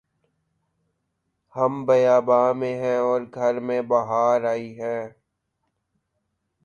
ہم بیاباں میں ہیں اور گھر میں بہار آئی ہے